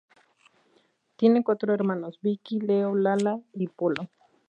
Tiene cuatro hermanos: Vicky, Leo, Lalo y Polo.